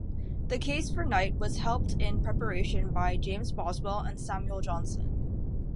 The case for Knight was helped in preparation by James Boswell and Samuel Johnson.